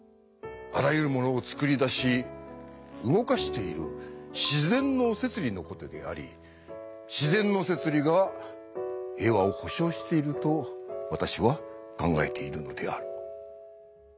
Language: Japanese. あらゆるものを創り出し動かしている「自然の摂理」の事であり「自然の摂理」が平和を保証していると私は考えているのである。